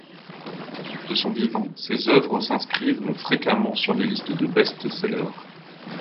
De son vivant, ses œuvres s'inscrivent fréquemment sur les listes de best-sellers.